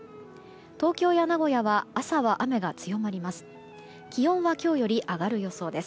東京や名古屋は朝は雨が強まります。